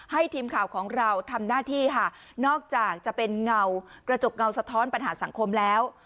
ทีมข่าวของเราทำหน้าที่ค่ะนอกจากจะเป็นเงากระจกเงาสะท้อนปัญหาสังคมแล้ว